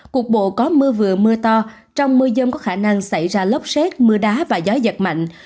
cục bộ có mưa vừa mưa to trong mưa dông có khả năng xảy ra lốc xét mưa đá và gió giật mạnh